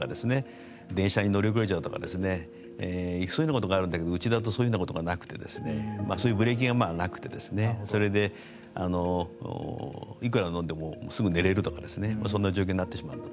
電車に乗り遅れちゃうとかそういうようなことがあるんだけどうちだと、そういうことがなくてそういうブレーキがなくてそれでいくら飲んでもすぐ寝れるとかそんな状況になってしまうと。